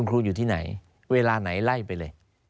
ครูอยู่ที่ไหนเวลาไหนไล่ไปเลย